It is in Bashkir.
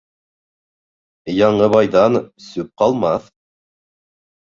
Яңы байҙан сүп ҡалмаҫ.